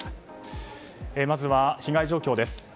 まずは被害状況です。